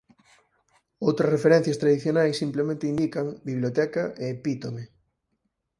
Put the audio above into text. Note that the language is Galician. Outras referencias tradicionais simplemente indican «Biblioteca e Epítome».